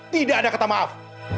tidak ada kata maaf